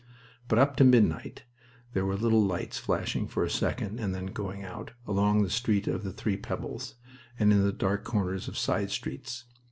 But up to midnight there were little lights flashing for a second and then going out, along the Street of the Three Pebbles and in the dark corners of side streets.